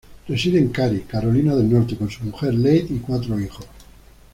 Reside en Cary, Carolina del Norte con su mujer Leigh y cuatro hijos.